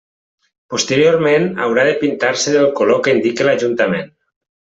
Posteriorment haurà de pintar-se del color que indique l'Ajuntament.